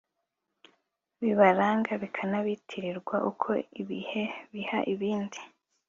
bibaranga bikanabitirirwa uko ibihe biha ibindi